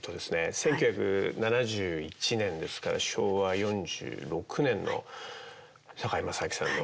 １９７１年ですから昭和４６年の堺正章さんのヒットで。